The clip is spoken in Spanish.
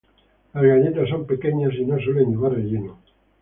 Las galletas son pequeñas y no suelen llevar relleno.